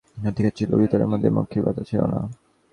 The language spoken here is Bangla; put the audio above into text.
সেখানে বাইরের থেকে আমার অধিকার ছিল, ভিতরের থেকে মক্ষীর বাধা ছিল না।